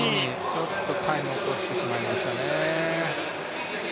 ちょっとタイム落としてしまいましたね。